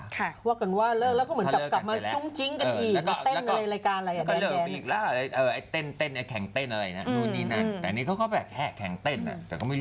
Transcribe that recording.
ว่ากันว่าเลิกแล้วก็เหมือนกับกลับมาจุ้งจิ้งกันอีกแล้ว